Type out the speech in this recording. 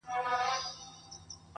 o چي کور ودان، د ورور ودان.